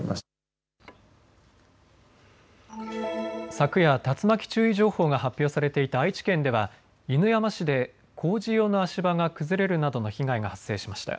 昨夜、竜巻注意情報が発表されていた愛知県では犬山市で工事用の足場が崩れるなどの被害が発生しました。